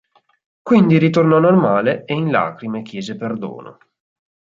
Quindi ritornò normale e in lacrime chiese perdono.